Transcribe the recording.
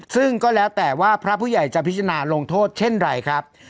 ซึ่งก็แล้วแต่ว่าพระผู้ใหญ่จะพิจารณาลงโทษเช่นไรครับ